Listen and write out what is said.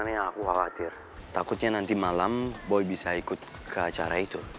makanya aku khawatir takutnya nanti malam boy bisa ikut ke acara itu